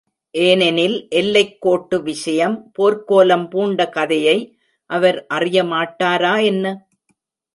ஏனெனில், எல்லைக் கோட்டு விஷயம் போர்க்கோலம் பூண்ட கதையை அவர் அறியமாட்டாரா என்ன?